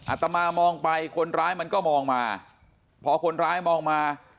อาตมามองไปคนร้ายมันก็มองมาพอคนร้ายมองมา